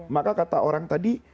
maka kata orang tadi